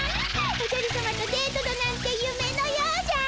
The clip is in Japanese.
おじゃるさまとデートだなんて夢のようじゃ。